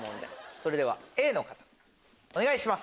それではＡの方お願いします。